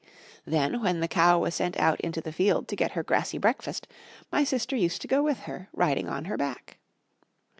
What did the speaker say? Then when the cow was sent out into the field to get her grassy breakfast, my sister used to go with her, riding on her back.